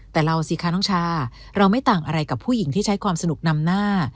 แต่เราสิคะน้องชาเราไม่ต่างอะไรกับผู้หญิงที่ใช้ความสนุกนำหน้า